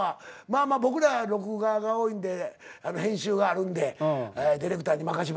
まあまあ僕らは録画が多いんで編集があるんでディレクターに任しますけども。